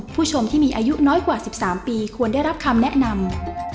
ผู้ชมที่มีอายุน้อยกว่า๑๓ปีควรได้รับคำแนะนำ